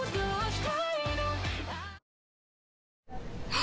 あ！